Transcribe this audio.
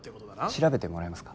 調べてもらえますか？